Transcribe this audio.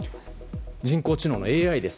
人工知能のＡＩです。